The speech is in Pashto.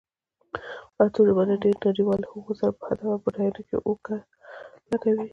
پښتو ژبه له ډېرو نړيوالو هغو سره په ادب او بډاینه کې اوږه لږوي.